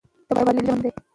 تبادله ژوند دی.